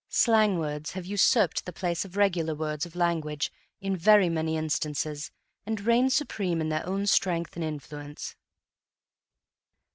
Slang words have usurped the place of regular words of language in very many instances and reign supreme in their own strength and influence.